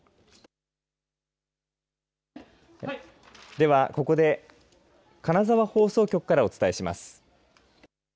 では、ここで金沢放送局からお伝えします。